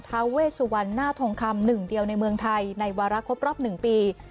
เวสวรรณหน้าทองคำหนึ่งเดียวในเมืองไทยในวาระครบรอบ๑ปี